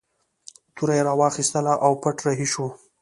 توره یې راواخیستله او پټ رهي شو.